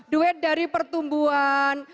duet dari pertumbuhan